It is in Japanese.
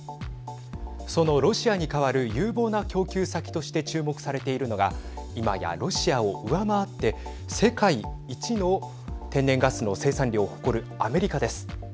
そのロシアに代わる有望な供給先として注目されているのが今やロシアを上回って世界一の天然ガスの生産量を誇るアメリカです。